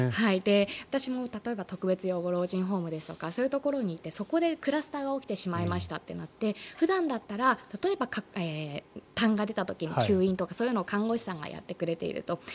私も例えば特別養護老人ホームですとかそういうところにいてそこでクラスターが起きてしまいましたとなって普段だったら例えば、たんが出た時の吸引とかそういうのを看護師さんがやってくれていると。